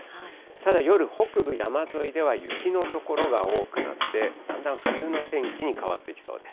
ただ夜、北部山沿いでは雪の所が多くなって、だんだん冬の天気に変わってきそうです。